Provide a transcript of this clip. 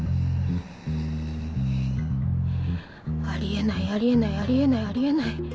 あり得ないあり得ないあり得ないあり得ない。